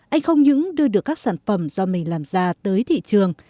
anh không những đưa được các sản phẩm do mình làm ra tới thị trường